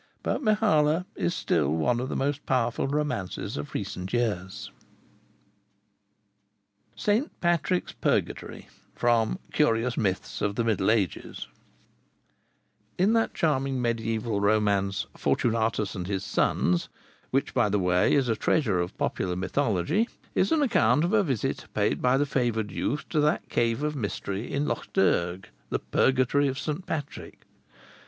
But 'Mehalah' is still one of the most powerful romances of recent years." ST. PATRICK'S PURGATORY From 'Curious Myths of the Middle Ages' In that charming mediaeval romance 'Fortunatus and his Sons,' which by the way is a treasury of popular mythology, is an account of a visit paid by the favored youth to that cave of mystery in Lough Derg, the Purgatory of St. Patrick.